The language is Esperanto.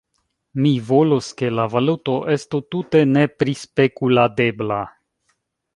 Mi volus ke la valuto estu tute neprispekuladebla.